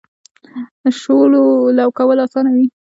د شولو لو کول اسانه وي.